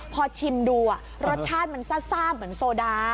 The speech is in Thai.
พอชิมดูรสชาติมันซ่าเหมือนโซดา